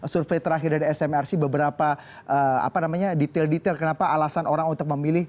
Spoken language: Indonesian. survei terakhir dari smrc beberapa detail detail kenapa alasan orang untuk memilih